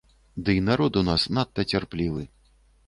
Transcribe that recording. Дый народ у нас надта цярплівы.